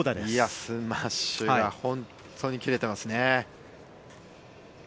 スマッシュが本当に切れていますね。